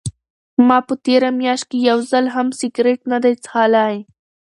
ما په تېره میاشت کې یو ځل هم سګرټ نه دی څښلی.